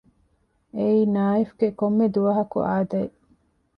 އެއީ ނާއިފްގެ ކޮންމެ ދުވަހަކު އާދައެއް